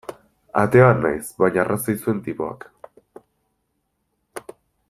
Ateoa naiz, baina arrazoi zuen tipoak.